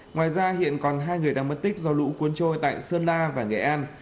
ngoài ra hiện còn hai người đang mất tích do lũ cuốn trôi tại sơn la và nghệ an